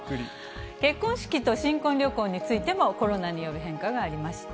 結婚式と新婚旅行についても、コロナによる変化がありました。